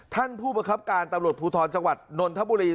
ท่านผู้ประคับการตำรวจภูทรจังหวัดนนทบุรี